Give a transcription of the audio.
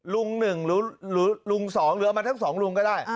ลุง๑หรือลุง๒หรือเอามาทั้ง๒ลุงก็ได้